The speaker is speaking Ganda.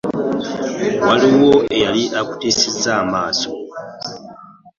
Waliwo eyali akutiisizza amaaso.